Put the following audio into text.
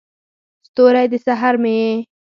ستوری، د سحر مې یې